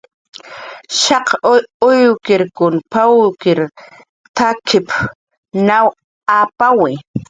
"Shaq wurrikunq pawykir t""akip naw apawi."